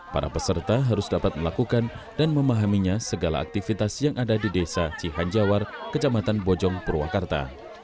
para peserta harus dapat melakukan dan memahaminya segala aktivitas yang ada di desa cihanjawar kecamatan bojong purwakarta